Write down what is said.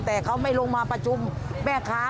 แต่เขาไม่ลงมาประชุมแม่ค้า